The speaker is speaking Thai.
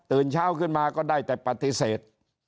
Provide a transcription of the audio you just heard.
เช้าขึ้นมาก็ได้แต่ปฏิเสธ